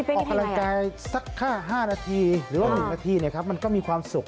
ออกกำลังกายสัก๕นาทีหรือว่า๑นาทีมันก็มีความสุข